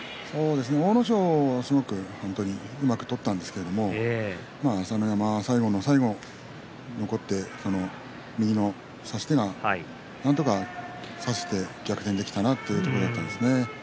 阿武咲はうまく取ったんですが朝乃山は最後の最後、残って右の差し手がなんとか差せて逆転できたなというところだったんですね。